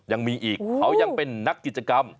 ยังมีอีกเขายังเป็นนักกิจกรรม